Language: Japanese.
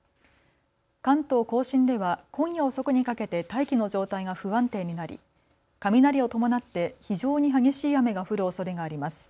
関東甲信では今夜遅くにかけて大気の状態が不安定になり雷を伴って非常に激しい雨が降るおそれがあります。